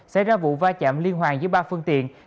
xảy ra vụ va chạm liên hoàn giữa ba phương tiện